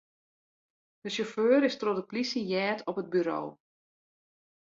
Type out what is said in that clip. De sjauffeur is troch de polysje heard op it buro.